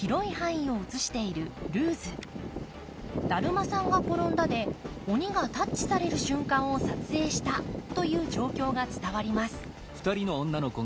「だるまさんがころんだ」で鬼がタッチされる瞬間を撮影したという状況が伝わります